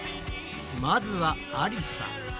まずはありさ。